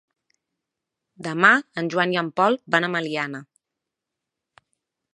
Demà en Joan i en Pol van a Meliana.